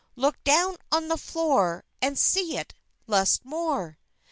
Look down on the floor, And see it, Lusmore!